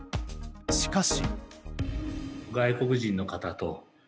しかし。